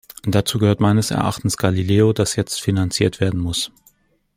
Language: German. Dazu gehört meines Erachtens Galileo, das jetzt finanziert werden muss.